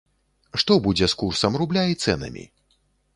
Што будзе з курсам рубля і цэнамі?